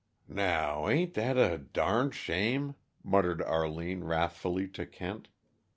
"Now, ain't that a darned shame?" muttered Arline wrathfully to Kent.